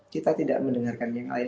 kita tidak mendengarkan yang lain